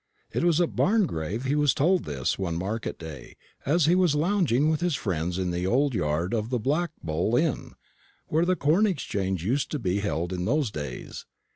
It was at Barngrave he was told this, one market day, as he was lounging with his friends in the old yard of the Black Bull inn, where the corn exchange used to be held in those days.